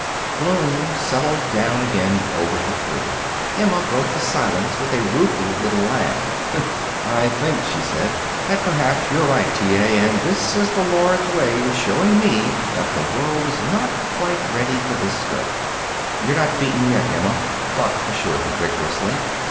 Gloom settled down again over the three. Emma broke the silence with a rueful little laugh. "I think," she said, "that perhaps you're right, T. A., and this is the Lord's way of showing me that the world is not quite ready for this skirt." "You're not beaten yet, Emma," Buck assured her vigorously.